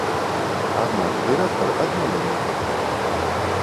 Аднак дырэктар адмовіла ў гэтым.